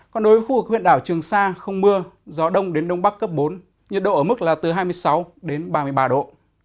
còn đối với khu vực huyện đảo trường sa không mưa gió đông đến đông bắc cấp bốn nhiệt độ ở mức là từ hai mươi sáu đến ba mươi ba độ